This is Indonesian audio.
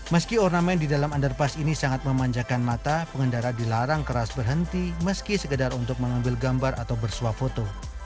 meski ornamen di dalam underpass ini sangat memanjakan mata pengendara dilarang keras berhenti meski sekedar untuk mengambil gambar atau bersuah foto